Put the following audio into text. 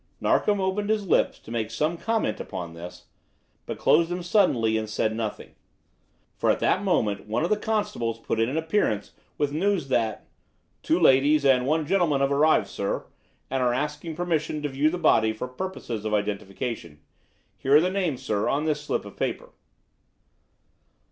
Narkom opened his lips to make some comment upon this, but closed them suddenly and said nothing. For at that moment one of the constables put in an appearance with news that, "Two ladies and two gentlemen have arrived, sir, and are asking permission to view the body for purposes of identification. Here are the names, sir, on this slip of paper."